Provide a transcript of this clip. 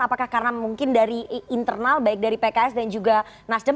apakah karena mungkin dari internal baik dari pks dan juga nasdem